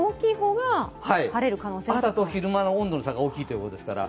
朝と昼間の温度の差が大きいということですから。